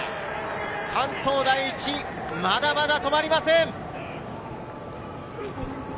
関東第一、まだまだ止まりません！